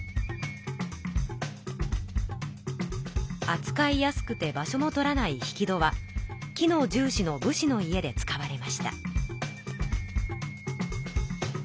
あつかいやすくて場所も取らない引き戸は機能重しの武士の家で使われました。